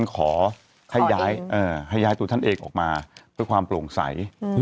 ขอให้ย้ายตัวท่านเองออกมาเพื่อความโปร่งใส